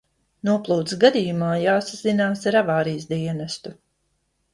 Noplūdes gadījumā jāsazinās ar avārijas dienestu.